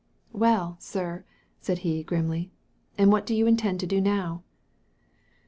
"Well, sir," said he, grimly, "and what do you intend to do now ?